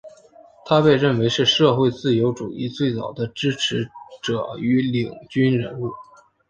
他被认为是社会自由主义最早的支持者与领军人物。